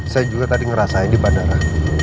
saya juga tadi ngerasain di bandara